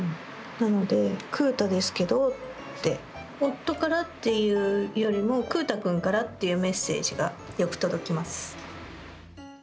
なので「くぅたですけど」って。夫からというよりもくぅた君からっていうメッセージがよく届きます。